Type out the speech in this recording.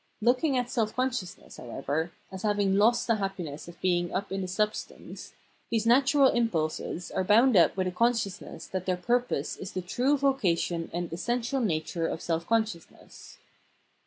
Looking at self consciousness, however, as having lost the happiness of being in the substance, these natural impulses are bound up with a conscious ness that their purpose is the true vocation and essential nature of self consciousness.